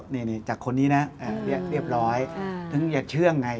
นี่จากคนนี้นะเรียบร้อยถึงอย่าเชื่องไง